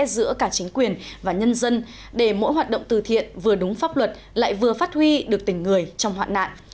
giữa cả chính quyền và nhân dân để mỗi hoạt động từ thiện vừa đúng pháp luật lại vừa phát huy được tình người trong hoạn nạn